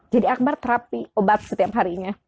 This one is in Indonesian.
jadi akbar terapi obat setiap harinya